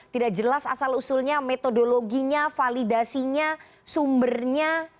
tidak jelas asal usulnya metodologinya validasinya sumbernya